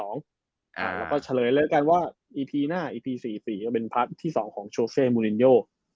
แล้วก็เฉลยเลยแล้วกันว่าอีพีหน้าอีพี๔๔ก็เป็นพาร์ทที่๒ของโชเซมูลินโย